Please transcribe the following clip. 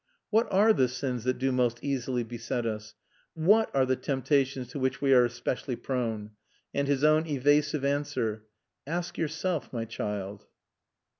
"What are the sins that do most easily beset us? What are the temptations to which we are especially prone?" And his own evasive answer. "Ask yourself, my child."